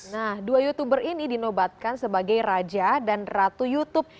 nah dua youtuber ini dinobatkan sebagai raja dan ratu youtube